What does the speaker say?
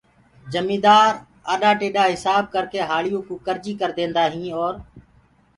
جميندآر آڏآ ٽيڏآ هسآب ڪرڪي هآݪيوڪو ڪرجي ڪرديندآ هين اور